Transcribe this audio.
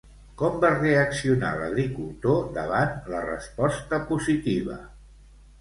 Com va reaccionar l'agricultor davant la resposta positiva?